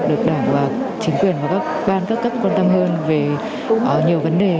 được đảng và chính quyền và các ban các cấp quan tâm hơn về nhiều vấn đề